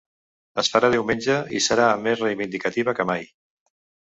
Es farà diumenge i serà més reivindicativa que mai.